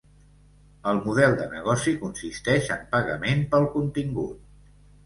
El model de negoci consisteix en pagament pel contingut.